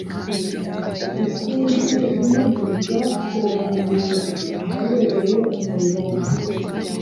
Isinzi rinini ryateraniye ahabereye umuriro.